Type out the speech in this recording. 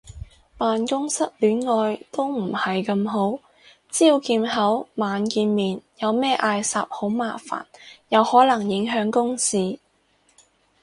辦公室戀愛都唔係咁好，朝見口晚見面有咩嗌霎好麻煩，又可能影響公事